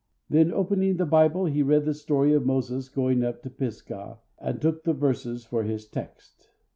Then opening the Bible he read the story of Moses going up to Pisgah, and took the verses for his text.